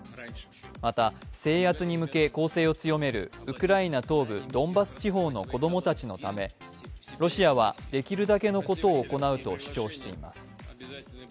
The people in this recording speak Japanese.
また、制圧に向け攻勢を強めるウクライナ東部ドンバス地方の子供たちのため、ロシアはできるだけのことを行うと主張しています。